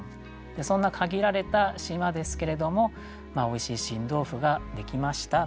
そんな限られた島ですけれどもおいしい新豆腐ができましたという句ですね。